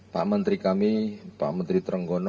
pak menteri kami pak menteri trenggono